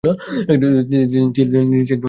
তিনি নিজে একজন যুক্তিবাদী মানুষ।